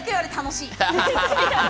楽しい！